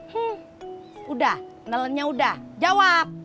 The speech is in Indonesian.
hmm udah nelannya udah jawab